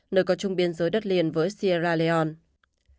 nơi có chung biên giới đất liền với sierra leon